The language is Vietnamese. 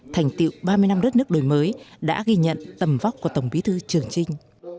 thành tiệu ba mươi năm đất nước đổi mới đã ghi nhận tầm vóc của tổng bí thư trường trinh